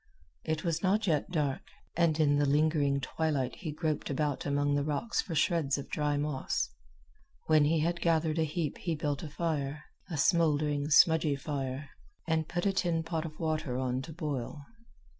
It was not yet dark, and in the lingering twilight he groped about among the rocks for shreds of dry moss. When he had gathered a heap he built a fire, a smouldering, smudgy fire, and put a tin pot of water on to boil.